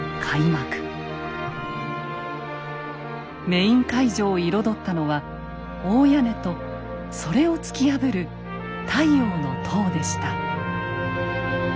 メイン会場を彩ったのは大屋根とそれを突き破る「太陽の塔」でした。